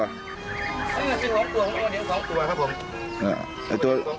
สองตัวผมต้องเดี๋ยวมาเข่นสองตัวครับผม